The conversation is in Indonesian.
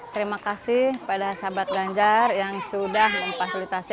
terima kasih kepada sahabat ganjar yang sudah memfasilitasi